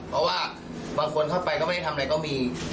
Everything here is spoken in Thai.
เพราะว่าบางคนเข้าไปก็ไม่ได้ทำอะไรก็มี